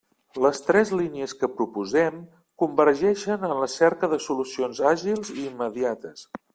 Les tres línies que proposem convergeixen en la cerca de solucions àgils i immediates.